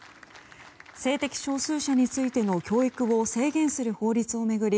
性的少数者についての教育を制限する法律を巡り